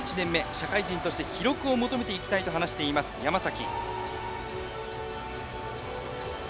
社会人として記録を求めていきたいと話しています、山崎。